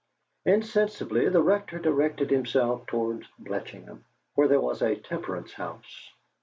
Insensibly the Rector directed himself towards Bletchingham, where there was a temperance house.